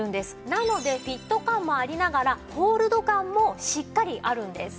なのでフィット感もありながらホールド感もしっかりあるんです。